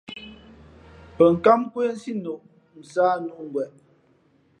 Pαnkǎm nkwésí noʼ, nsāh nʉ̌ ngweʼ.